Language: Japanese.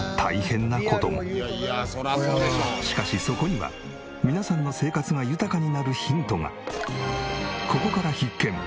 しかしそこには皆さんの生活が豊かになるヒントが。